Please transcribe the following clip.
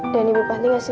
saya masih masih